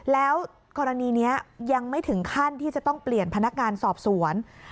แล้วกรณีนี้ยังไม่ถึงขั้นที่จะต้องเปลี่ยนพนักงานสอบสวน